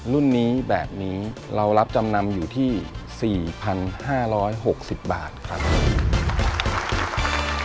รุ่นนี้แบบนี้เรารับจำนำอยู่ที่๔๕๖๐บาทครับ